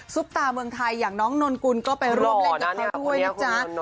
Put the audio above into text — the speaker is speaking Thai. ตาเมืองไทยอย่างน้องนนกุลก็ไปร่วมเล่นกับเขาด้วยนะจ๊ะ